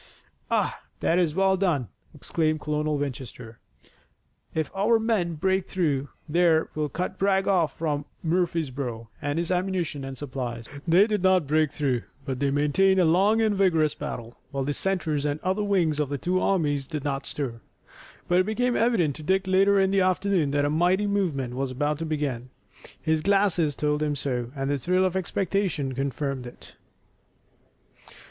"Ah, that is well done!" exclaimed Colonel Winchester. "If our men break through there we'll cut Bragg off from Murfreesborough and his ammunition and supplies." They did not break through, but they maintained a long and vigorous battle, while the centers and other wings of the two armies did not stir. But it became evident to Dick later in the afternoon that a mighty movement was about to begin. His glasses told him so, and the thrill of expectation confirmed it.